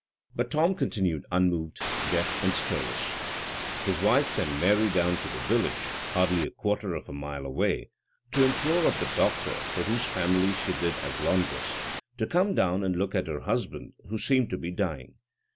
But Tom continued unmoved, deaf, and stirless. His wife sent Mary down to the village, hardly a quarter of a mile away, to implore of the doctor, for whose family she did duty as laundress, to come down and look at her husband, who seemed to be dying.